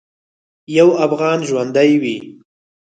یو افغان ژوندی وي.